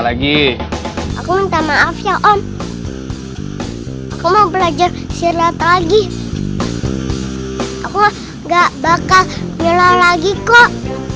lagi aku minta maaf ya om kamu belajar silat lagi aku enggak bakal nyolah lagi kok